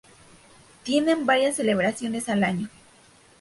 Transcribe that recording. Tienen varias celebraciones al año.